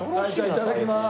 いただきます。